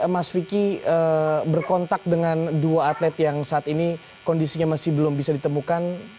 mas vicky berkontak dengan dua atlet yang saat ini kondisinya masih belum bisa ditemukan